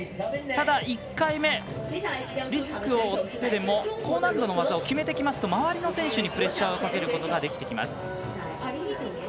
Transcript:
ただ１回目、リスクを負ってでも高難度の技を決めると周りの選手にプレッシャーをかけることができてきます。